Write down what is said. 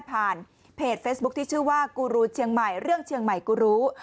เพจเฟซบุ๊คที่ชื่อว่ากูรูเชียงใหม่เรื่องเชียงใหม่กูรู้